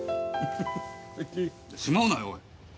しまうなよおい！